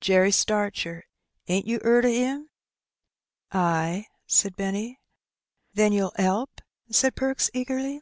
Jerry Starcher. Ain't yer 'eard o' 'im?'* Ay," said Benny. Then you'll 'elp?" said Perks, eagerly.